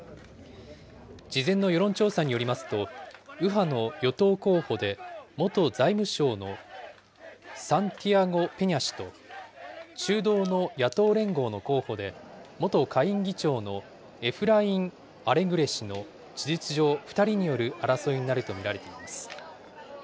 事前の世論調査によりますと、右派の与党候補で元財務相のサンティアゴ・ペニャ氏と、中道の野党連合の候補で元下院議長のエフライン・アレグレ氏の、事実上２人による争いになると見られています。